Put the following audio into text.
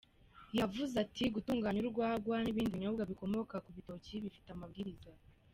Yavuze ati:” Gutunganya urwagwa n’ibindi binyobwa bikomoka ku bitoki bifite amabwiriza.